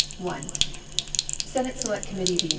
1. Senate Select Committee, v.